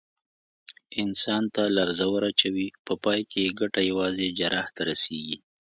انسان ته لړزه ور اچوي، په پای کې یې ګټه یوازې جراح ته رسېږي.